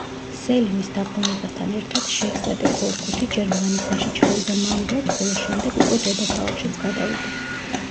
სელიმის დაბრუნებასთან ერთად, შეჰზადე ქორქუთი ჯერ მანისაში ჩავიდა მალულად, ხოლო შემდეგ უკვე დედაქალაქშიც გადავიდა.